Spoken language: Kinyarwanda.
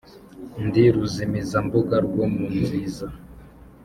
Ndi ruzimizambuga rwo mu nziza,